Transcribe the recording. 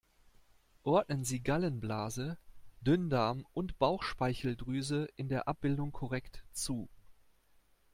Ordnen Sie Gallenblase, Dünndarm und Bauchspeicheldrüse in der Abbildung korrekt zu!